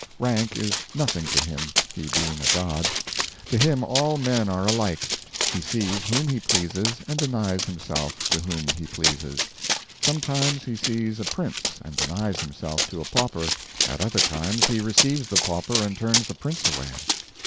Rank is nothing to him, he being a god. To him all men are alike. He sees whom he pleases and denies himself to whom he pleases. Sometimes he sees a prince and denies himself to a pauper; at other times he receives the pauper and turns the prince away.